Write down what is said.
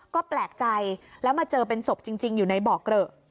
ก็แปลกใจแล้วมาเจอเป็นศพจริงอยู่ในบ่อเกลอะ